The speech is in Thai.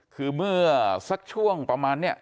คือเมื่อสักช่วงประมาณนี้